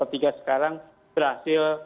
terima kasih atas